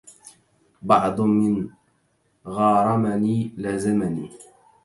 بعض من غارمني لازمني